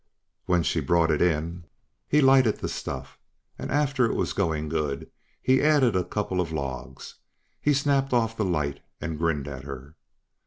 When she brought it in, he lighted the stuff and after it was going good, he added a couple of logs. He snapped off the light and grinned at her.